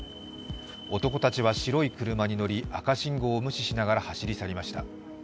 男たちは白い車に乗り赤信号を無視しながら走り去りました。